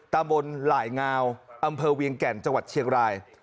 ตำบลหลายงาวอำเภอเวียงแก่นจังหวัดเชียงราย